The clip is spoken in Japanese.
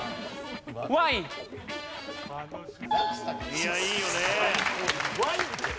いやいいよね。